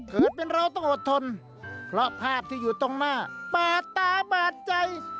เกิดเป็นเราต้องอดทนเพราะภาพที่อยู่ตรงหน้าปาดตาบาดใจ